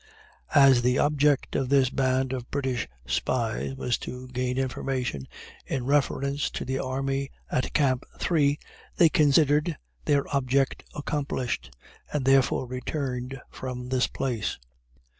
As the object of this band of British spies was to gain information in reference to the army at camp No. 3, they considered their object accomplished, and therefore returned from this place.